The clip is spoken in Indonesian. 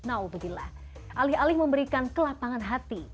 audillah alih alih memberikan kelapangan hati